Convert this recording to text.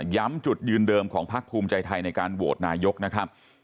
ย้ำจุดยืนเดิมของพักภูมิใจไทยในการโหวตนายกนะครับ